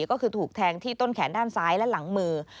ก็คือถูกแทงที่ต้นแขนด้านซ้ายและหลังมือ